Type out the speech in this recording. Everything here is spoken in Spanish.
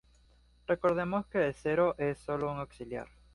Recordemos que el cero es sólo un auxiliar.